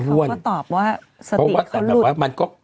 เขาก็ตอบว่าสติเขาหลุด